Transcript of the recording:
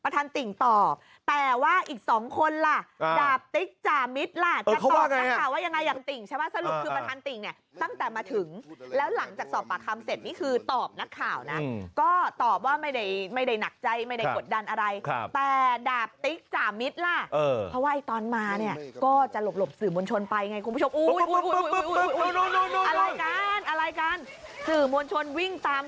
แต่ดาบติ๊กจ่ามิดล่ะเพราะว่าไอ้ตอนมาเนี่ยก็จะหลบสื่อมวลชนไปไงครับคุณผู้ชม